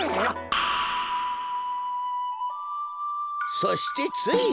そしてついに。